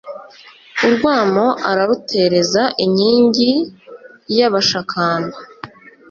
Urwamo ararutereza Inkingi y' Abashakamba